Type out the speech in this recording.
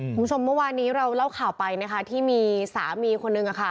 คุณผู้ชมมาวานนี้เราเล่าข่าวไปนะคะที่มีสามีคนนึงอะค่ะ